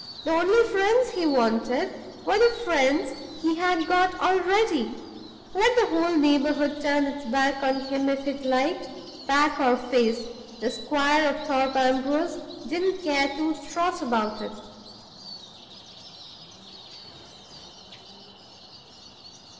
The only friends he wanted were the friends he had got already. Let the whole neighborhood turn its back on him if it liked; back or face, the Squire of Thorpe Ambrose didn't care two straws about it.